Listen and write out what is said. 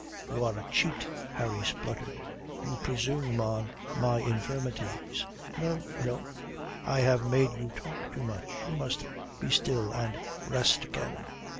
"You are a cheat," Harry spluttered. "You presume on my infirmities." "No. No. I have made you talk too much. You must be still and rest again."